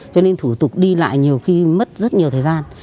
cho nên thủ tục đi lại nhiều khi mất rất nhiều thời gian